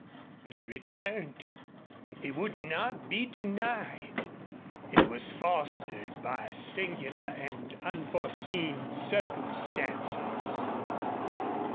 But it returned. It would not be denied. It was fostered by singular and unforeseen circumstances.